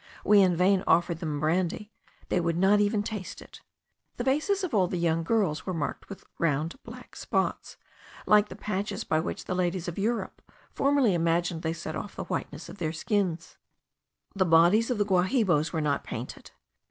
We in vain offered them brandy; they would not even taste it. The faces of all the young girls were marked with round black spots; like the patches by which the ladies of Europe formerly imagined they set off the whiteness of their skins. The bodies of the Guahibos were not painted.